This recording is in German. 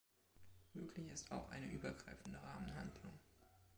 Möglich ist auch eine übergreifende Rahmenhandlung.